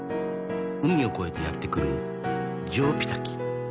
「海を越えてやってくるジョウビタキ」